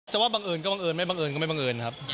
ว่าบังเอิญก็บังเอิญไม่บังเอิญก็ไม่บังเอิญครับ